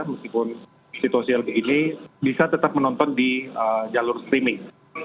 meskipun situasi seperti ini bisa tetap menonton di jalur streaming